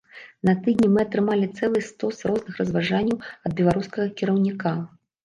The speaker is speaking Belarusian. На тыдні мы атрымалі цэлы стос розных разважанняў ад беларускага кіраўніка.